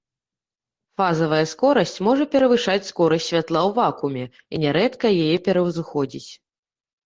Фазавая скорасць можа перавышаць скорасць святла ў вакууме, і нярэдка яе пераўзыходзіць.